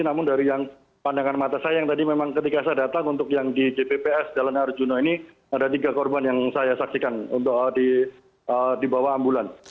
namun dari yang pandangan mata saya yang tadi memang ketika saya datang untuk yang di jpps jalan arjuna ini ada tiga korban yang saya saksikan untuk dibawa ambulan